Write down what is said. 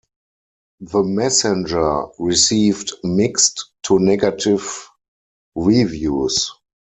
"The Messenger" received mixed to negative reviews.